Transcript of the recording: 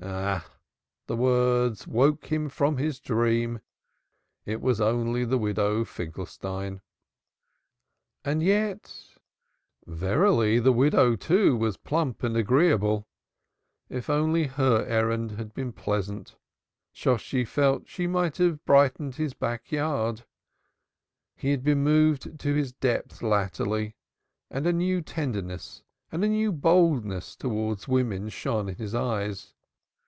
Ah! The words awoke him from his dream. It was only the Widow Finkelstein. And yet ! Verily, the widow, too, was plump and agreeable; if only her errand had been pleasant, Shosshi felt she might have brightened his back yard. He had been moved to his depths latterly and a new tenderness and a new boldness towards women shone in his eyes.